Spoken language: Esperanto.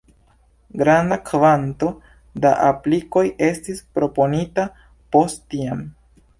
Granda kvanto da aplikoj estis proponita post tiam.